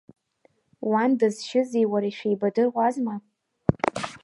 Уан дызшьызи уареи шәеибадыруазма?